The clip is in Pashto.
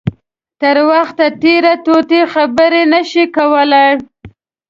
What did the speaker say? تر وخت تېر طوطي خبرې نه شي کولای.